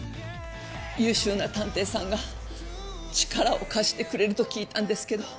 優秀な探偵さんが力を貸してくれると聞いたんですけど。